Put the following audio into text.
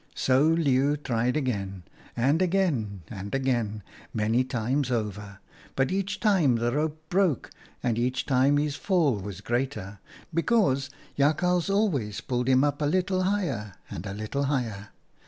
" So Leeuw tried again, and again, and again, many times over, but each time the rope broke and each time his fall was greater, because Jakhals always pulled him up a little higher, and a little higher.